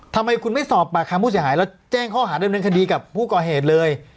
ทำไมคุณไม่สอบปากคำผู้เสียหายแล้วแจ้งข้อหาดำเนินคดีกับผู้ก่อเหตุเลย